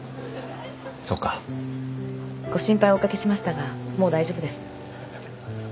そうか。ご心配おかけしましたがもう大丈夫です。